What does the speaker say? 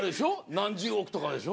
何十億とかでしょ。